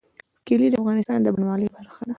کلي د افغانستان د بڼوالۍ برخه ده.